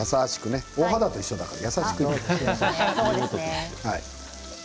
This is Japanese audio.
お肌と一緒だから、優しく。